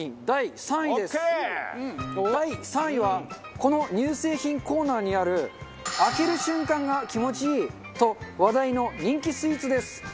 第３位はこの乳製品コーナーにある開ける瞬間が気持ちいい！と話題の人気スイーツです。